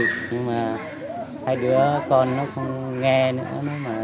nhưng mà hai đứa con nó không nghe nữa